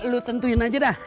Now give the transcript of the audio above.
lo tentuin aja dah